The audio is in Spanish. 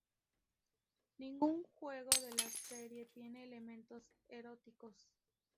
Ningún juego de la serie tiene elementos eróticos.